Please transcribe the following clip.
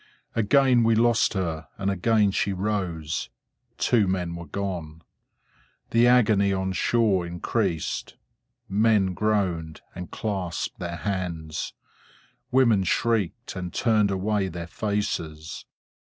Again we lost her, and again she rose. Two men were gone. The agony on shore increased. Men groaned, and clasped their hands; women shrieked, and turned away their faces.